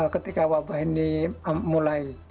ketika wabah ini mulai